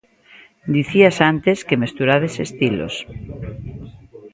Dicías antes que mesturades estilos.